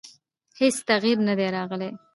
هېڅ تغییر نه دی راغلی.